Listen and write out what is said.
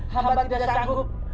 hamba terbakar oleh pembunuh